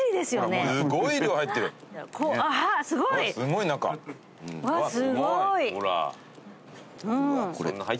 すごいね。